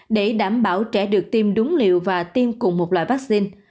để đảm bảo trẻ được tiêm đúng liều và tiêm cùng một loại vaccine